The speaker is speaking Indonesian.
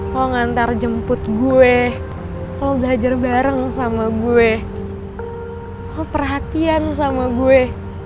lo ngantar jemput gue lo belajar bareng sama gue lo perhatian sama gue